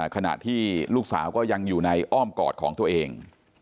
ขณะที่ลูกสาวก็ยังอยู่ในอ้อมกอดของตัวเอง